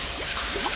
あっ！